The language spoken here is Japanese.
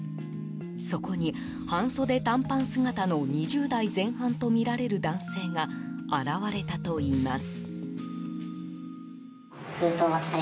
そこに、半袖短パン姿の２０代前半とみられる男性が現れたといいます。